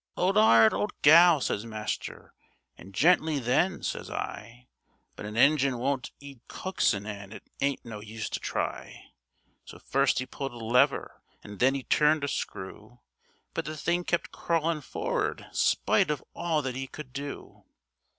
''Old 'ard, old gal!' says master, and 'Gently then!' says I, But an engine won't 'eed coaxin' an' it ain't no use to try; So first 'e pulled a lever, an' then 'e turned a screw, But the thing kept crawlin' forrard spite of all that 'e could do.